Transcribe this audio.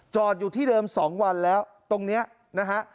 อยู่ที่เดิม๒วันแล้วตรงนี้นะฮะ